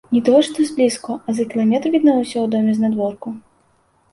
Не тое што зблізку, а за кіламетр відно ўсё ў доме знадворку.